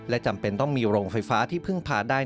และจำเป็นต้องมีโรงไฟฟ้าที่เพิ่งพาได้